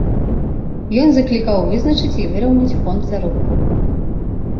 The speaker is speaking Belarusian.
Ён заклікаў вызначыць і выраўняць фонд заробкаў.